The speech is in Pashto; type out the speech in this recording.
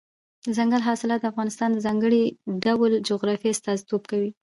دځنګل حاصلات د افغانستان د ځانګړي ډول جغرافیه استازیتوب کوي.